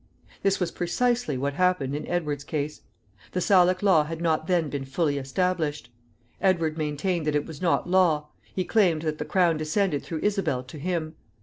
This was precisely what happened in Edward's case. The Salic law had not then been fully established. Edward maintained that it was not law. He claimed that the crown descended through Isabel to him.